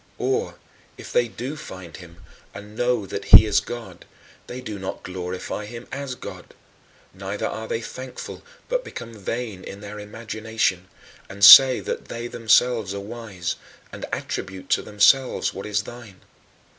Or, if they do find him, and know that he is God, they do not glorify him as God; neither are they thankful but become vain in their imagination, and say that they themselves are wise, and attribute to themselves what is thine.